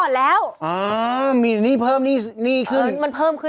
เดร้าไข้คือหลัดเดิม